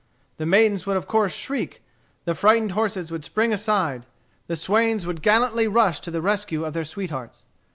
The maidens would of course shriek. The frightened horses would spring aside. The swains would gallantly rush to the rescue of their sweethearts.